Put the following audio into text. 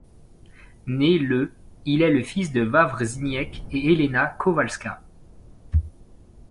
Né le il est le fis de Wawrzyniec et Helena Kowalska.